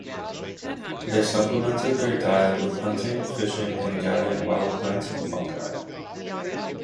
They supplemented their diet with hunting, fishing, and gathering wild plants and fungi.